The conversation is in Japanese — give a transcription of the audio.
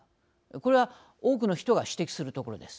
これは多くの人が指摘するところです。